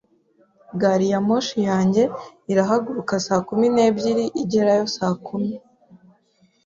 Gari ya moshi yanjye irahaguruka saa kumi n'ebyiri igerayo saa kumi.